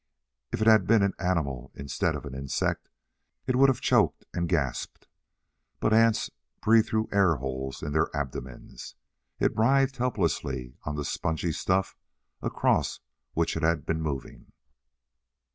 If it had been an animal instead of an insect, it would have choked and gasped. But ants breathe through air holes in their abdomens. It writhed helplessly on the spongy stuff across which it had been moving.